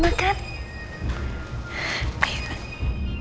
makan yang banyak rena